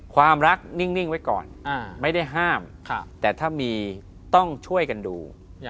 ความรักนิ่งไว้ก่อนไม่ได้ห้ามแต่ถ้ามีต้องช่วยกันดู